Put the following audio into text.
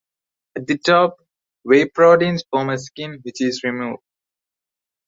At the top, whey proteins form a skin, which is removed.